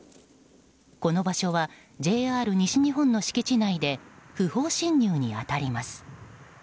この場所はＪＲ西日本の敷地内で不法侵入に当たります。